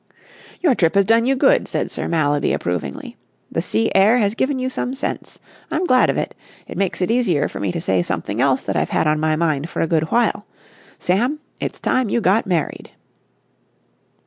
"Your trip has done you good," said Sir Mallaby approvingly. "The sea air has given you some sense. I'm glad of it. It makes it easier for me to say something else that I've had on my mind for a good while. Sam, it's time you got married."